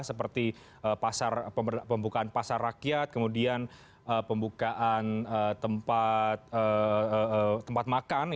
seperti pembukaan pasar rakyat kemudian pembukaan tempat makan